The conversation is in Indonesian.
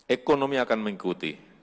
ekonomi akan mengikuti